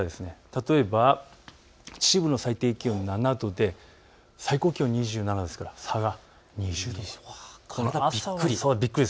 例えば秩父の最低気温７度で最高気温２７度ですから、差が２０度以上。